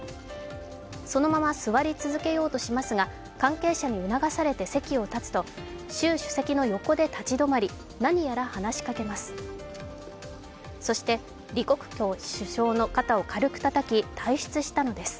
そのまま座り続けようとしますが関係者に促されて席を立つと習主席の横で立ち止まり、何やら話しかけます。